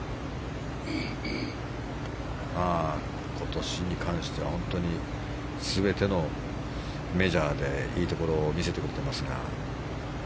今年に関しては全てのメジャーでいいところを見せてくれてますが。